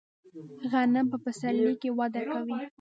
غنم په پسرلي کې وده کوي.